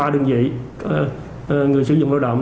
ba đơn vị người sử dụng lao động